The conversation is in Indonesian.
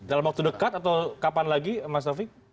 dalam waktu dekat atau kapan lagi mas taufik